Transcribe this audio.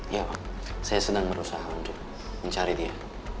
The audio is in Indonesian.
iya bang saya sedang berusaha untuk mencari dia